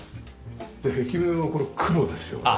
壁面はこれ黒ですよね。